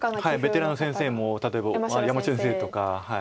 ベテランの先生も例えば山城先生とか。